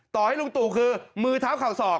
ต่อให้ลุงตู่คือมือเท้าเข่าศอก